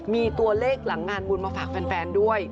มีตัวเลขหลังงานบุญมาฝากแฟนด้วย